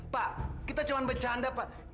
pak kita cuma bercanda pak